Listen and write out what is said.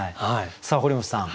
堀本さん